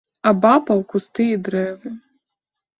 Абапал кусты і дрэвы.